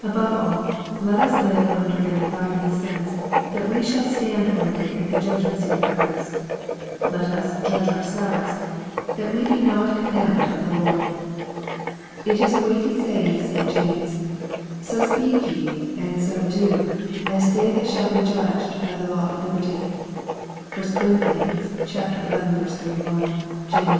Above all, let us live under an abiding sense, that we shall stand one day at the judgment seat of Christ. Let us "judge ourselves/' that we be not con« LUKE, CHAP. XIX. 301 demned of the Lord. It is a weighty saying of St. James, " So speak ye, and so do, as they that shall be judged by the law of liberty." (1 Cor. xi. 31. James ii.